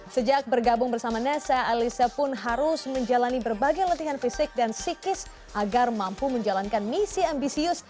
sejak bergabung bersama nesa alisa pun harus menjalani berbagai latihan fisik dan psikis agar mampu menjalankan misi ambisius